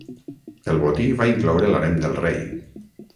El botí va incloure l'harem del rei.